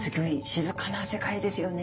静かな世界ですよね。